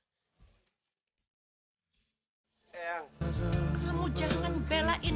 kalau kamu sedang melihat the fred industrial gordon at night